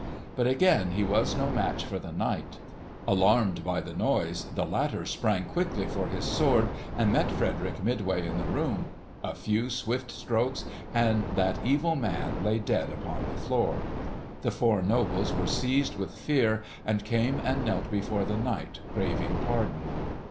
But again he was no match for the knight. Alarmed by the noise, the latter sprang quickly for his sword and met Frederick midway in the room. A few swift strokes and that evil man lay dead upon the floor. The four nobles were seized with fear and came and knelt before the knight craving pardon.